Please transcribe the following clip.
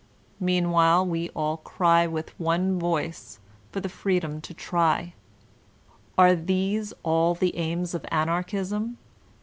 Meanwhile we all cry with one voice for the freedom to try. Are these all the aims of Anarchism?